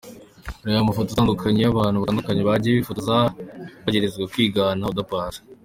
Reba amafoto atandukanye y’abantu batandukanye bagiye bifotoza bagerageza kwigana Oda Paccy:.